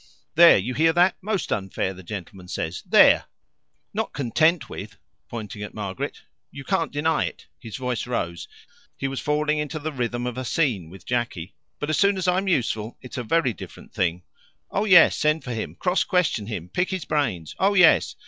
"There, you hear that? Most unfair, the gentleman says. There! Not content with" pointing at Margaret "you can't deny it." His voice rose: he was falling into the rhythm of a scene with Jacky. "But as soon as I'm useful it's a very different thing. 'Oh yes, send for him. Cross question him. Pick his brains.' Oh yes.